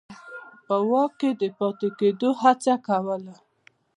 په واک کې د پاتې کېدو هڅه کوله.